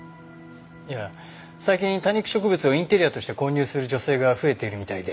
いや最近多肉植物をインテリアとして購入する女性が増えているみたいで。